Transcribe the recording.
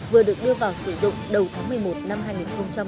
vừa được đưa vào sử dụng đầu tháng một mươi một năm hai nghìn một mươi chín